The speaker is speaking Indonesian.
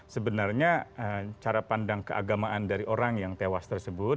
sebenarnya cara pandang keagamaan dari orang yang tewas tersebut